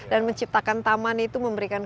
dan menciptakan taman itu memberikan